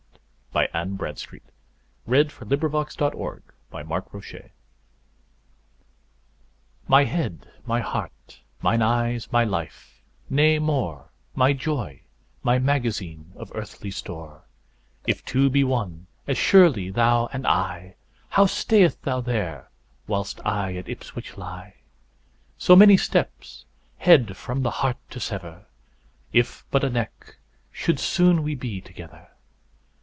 Y Z A Letter to Her Husband Absent upon Public Employment MY head, my heart, mine eyes, my life, nay more, My joy, my magazine, of earthly store, If two be one, as surely thou and I, How stayest thou there, whilst I at Ipswich lie? So many steps, head from the heart to sever, If but a neck, soon should we be together.